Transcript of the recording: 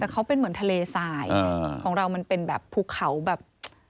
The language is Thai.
แต่เขาเป็นเหมือนทะเลสายของเรามันเป็นแบบภูเขาแบบ